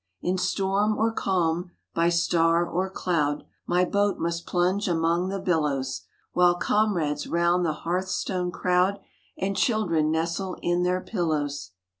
" In storm or calm, by star or cloud, My boat must plunge among the billows, While comrades round the hearth stone crowd, And children nestle in their pillows.